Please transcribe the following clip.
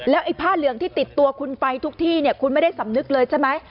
ไอ้ผ้าเหลืองที่ติดตัวคุณไปทุกที่เนี่ยคุณไม่ได้สำนึกเลยใช่ไหม